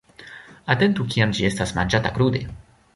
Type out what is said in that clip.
Atentu kiam ĝi estas manĝata krude.